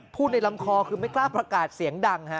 ในลำคอคือไม่กล้าประกาศเสียงดังฮะ